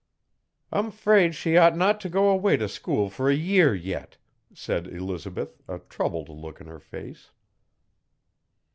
'I'm 'fraid she ought not to go away to school for a year yet,' said Elizabeth, a troubled look in her face.